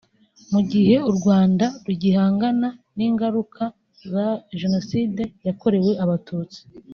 Mu gihe u Rwanda rugihangana n’ingaruka za Jenoside yakorewe Abatutsi